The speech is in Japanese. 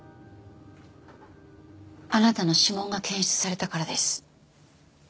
あなたの指紋が検出されたからです。